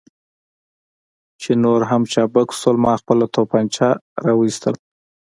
چې نور هم چابک شول، ما خپله تومانچه را وایستل.